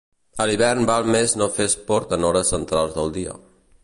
A l'hivern val més no fer esport en hores centrals del dia.